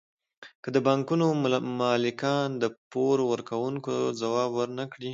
که د بانکونو مالکان د پور ورکوونکو ځواب ورنکړي